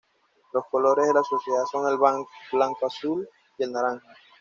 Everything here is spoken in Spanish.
Los colores de la sociedad son el blanco, el azul y el naranja.